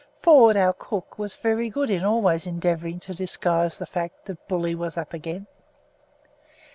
Ford, our cook, was very good in always endeavouring to disguise the fact that "Bully" was up again.